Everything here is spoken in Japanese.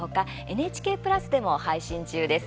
ＮＨＫプラスでも配信中です。